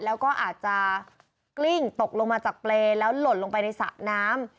แล้วก็อาจจะกลิ้งตกลงมาจากเปรย์แล้วหล่นลงไปในสระน้ำ